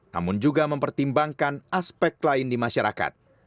namun juga mempertimbangkan aspek lain di masyarakat